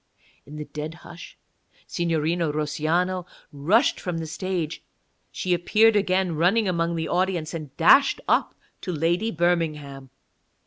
In the dead hush Signorina Russiano rushed from the stage; she appeared again running among the audience, and dashed up to Lady Birmingham.